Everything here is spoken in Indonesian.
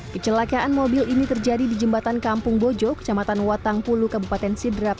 kecelakaan mobil ini terjadi di jembatan kampung bojo kecamatan watangpulu kabupaten sidrap